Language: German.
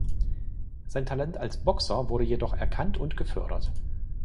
Sein Talent als Boxer wurde jedoch erkannt und gefördert.